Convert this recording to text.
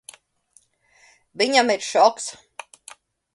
Viņam ir šoks.